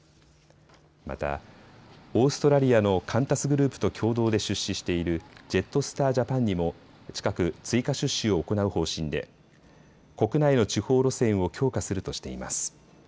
また、オーストラリアのカンタスグループと共同で出資しているジェットスター・ジャパンにも近く追加出資を行う方針で国内の地方路線を強化するとしています。